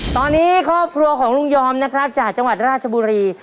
ตอนนี้ครอบครัวของลุงยอมนะครับจากจังหวัดราชบุรี